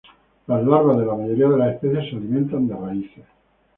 Las larvas de la mayoría de las especies se alimentan de raíces.